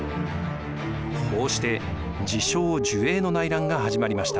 こうして治承・寿永の内乱が始まりました。